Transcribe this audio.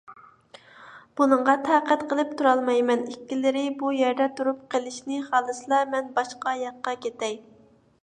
بۇنىڭغا تاقەت قىلىپ تۇرالمايمەن، ئىككىلىرى بۇ يەردە تۇرۇپ قېلىشنى خالىسىلا، مەن باشقا ياققا كېتەي!